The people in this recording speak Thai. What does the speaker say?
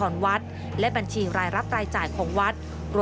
เงินถอนวัทธ์และบัญชีรายลับรายจ่ายของวัทธ์